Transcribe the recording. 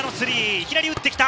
いきなり打ってきた。